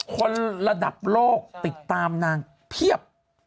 คนระดับโลกติดตามนางเพียบ